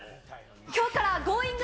きょうからＧｏｉｎｇ！